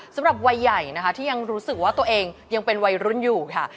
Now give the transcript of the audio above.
สำหรับวัยใหญ่นะคะที่ยังรู้สึกว่าตัวเองยังเป็นวัยรุ่นอยู่ค่ะ